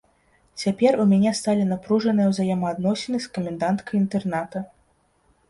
Цяпер у мяне сталі напружаныя ўзаемаадносіны з каменданткай інтэрната.